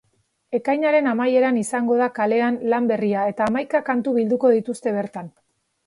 Ekainaren amaieran izango da kalean lan berria eta hamaika kantu bilduko dituzte bertan.